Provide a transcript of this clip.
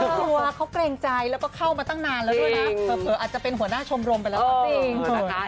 อันนี้ก็เขาเกรงใจแล้วก็เข้ามาตั้งนานแล้วด้วยนะเผลออาจจะเป็นหัวหน้าชมรมไปแล้วครับ